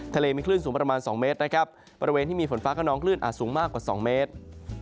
ทะเลมีคลื่นสูงประมาณ๒เมตรนะครับบริเวณที่มีฝนฟ้าขนองคลื่นอาจสูงมากกว่า๒เมตร